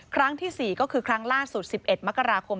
ครั้งที่๔ก็คือครั้งล่าสุด๑๑มกราคม